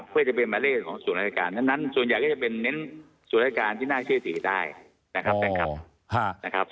เพื่อจะเป็นหมายเลขของส่วนราชการทั้งนั้นส่วนใหญ่ก็จะเป็นเน้นส่วนรายการที่น่าเชื่อถือได้นะครับ